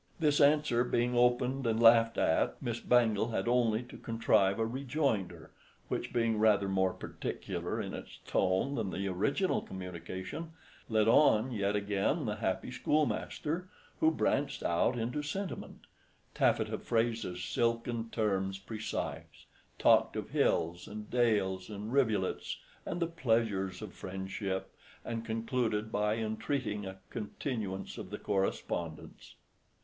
This answer being opened and laughed at, Miss Bangle had only to contrive a rejoinder, which being rather more particular in its tone than the original communication, led on yet again the happy schoolmaster, who branched out into sentiment, "taffeta phrases, silken terms precise," talked of hills and dales and rivulets, and the pleasures of friendship, and concluded by entreating a continuance of the correspondence.